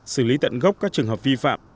xử lý tận gốc các trường hợp vi phạm